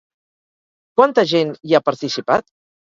Quanta gent hi ha participat?